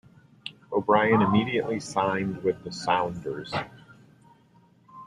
O'Brien immediately signed with the Sounders.